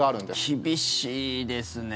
厳しいですね。